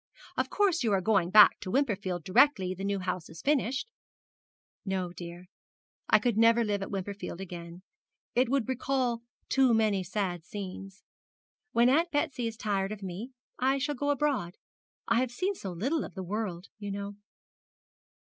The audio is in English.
'Of course you are going back to Wimperfield directly the new house is finished?' 'No, dear, I could never live at Wimperfield again, it would recall too many sad scenes. When Aunt Betsy is tired of me I shall go abroad. I have seen so little of the world, you know.'